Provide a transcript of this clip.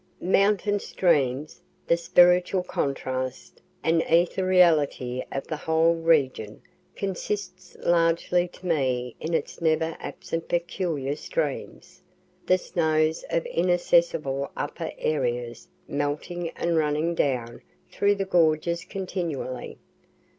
Mountain streams. The spiritual contrast and etheriality of the whole region consist largely to me in its never absent peculiar streams the snows of inaccessible upper areas melting and running down through the gorges continually.